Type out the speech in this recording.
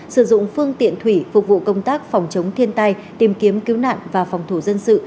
sử dụng phương tiện thủy phục vụ công tác phòng chống thiên tai tìm kiếm cứu nạn và phòng thủ dân sự